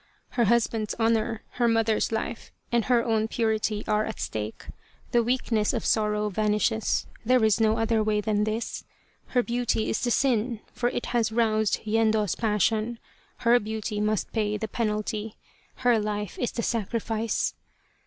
Her husband's honour, her mother's life, and her own purity are at stake ; the weakness of sorrow vanishes there is no other way than this. Her beauty is the sin, for it has roused 74 The Tragedy of Kesa Gozen Yendo's passion : her beauty must pay the penalty her life is the sacrifice.